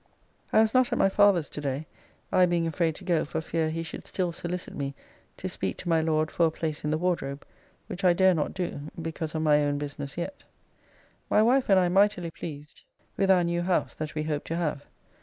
I was not at my father's to day, I being afraid to go for fear he should still solicit me to speak to my Lord for a place in the Wardrobe, which I dare not do, because of my own business yet. My wife and I mightily pleased with our new house that we hope to have.